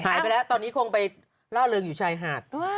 หายไปแล้วตอนนี้คงไปล่าเริงอยู่ชายหาด